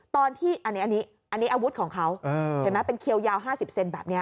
ตอนที่อันนี้อาวุธของเขาเห็นไหมเป็นเขียวยาว๕๐เซนแบบนี้